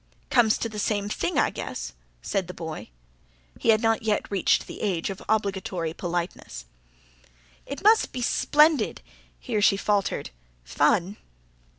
"Comes to the same thing I guess," said the boy he had not yet reached the age of obligatory politeness. "It must be splendid" here she faltered "fun."